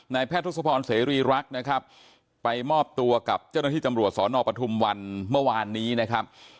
แพทย์ทศพรเสรีรักษ์นะครับไปมอบตัวกับเจ้าหน้าที่ตำรวจสอนอปทุมวันเมื่อวานนี้นะครับ